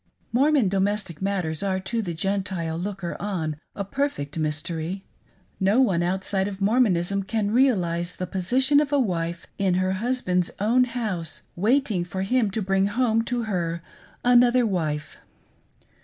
Mormon domestic matters are to the Gentile looker on a perfect mystery. No one outside of Mormonism can realise the position of a wife, in her husband's own house, waiting for hirri to bring home to her another wife.